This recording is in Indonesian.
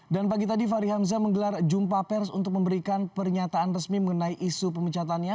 dan pagi tadi fahri hamzah menggelar jumpa pers untuk memberikan pernyataan resmi mengenai isu pemecatannya